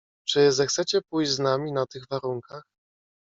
"Czy zechcecie pójść z nami na tych warunkach?"